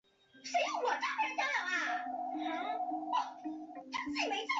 安丽中心是一座位于美国佛罗里达州奥兰多的一座室内体育馆。